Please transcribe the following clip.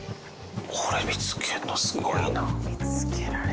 これ見つけるのすごいな。